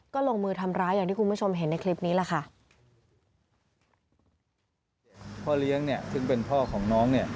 ก็ลงมือทำร้ายอย่างที่คุณผู้ชมเห็นในคลิปนี้แหละค่ะ